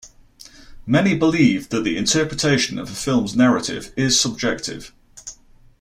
Many believe that the interpretation of a film's narrative is subjective.